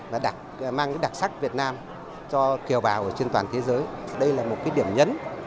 và mang cái đặc sắc việt nam cho kiều bào ở trên toàn thế giới đây là một cái điểm nhấn